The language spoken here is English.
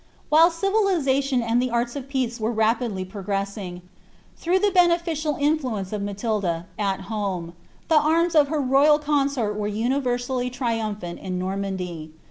While civilisation and the art* of peace were rapidly progresaiBg, throug!) the beneficial influence of Maiiiila, at home, the arms of hef royul consort were universally triunipliani in Normandy.